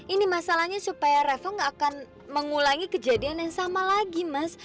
ini masalahnya supaya revo nggak akan mengulangi kejadian yang sama lagi mas